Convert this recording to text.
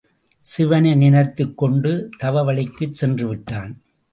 சிவனை நினைத்துக் கொண்டு தவவழிக்குச் சென்று விட்டான்.